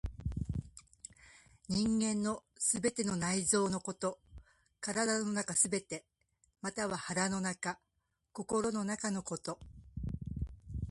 人間の全ての内臓のこと、体の中すべて、または腹の中、心の中のこと。